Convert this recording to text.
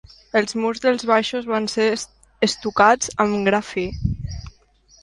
Els murs dels baixos van ser estucats amb gra fi.